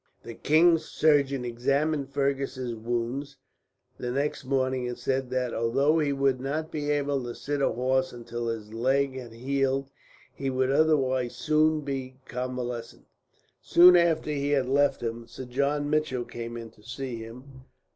The king's surgeon examined Fergus's wounds the next morning, and said that, although he would not be able to sit a horse until his leg had healed, he would otherwise soon be convalescent. Soon after he had left him, Sir John Mitchell came in to see him.